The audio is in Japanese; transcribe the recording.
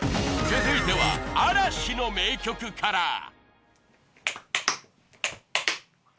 続いては嵐の名曲から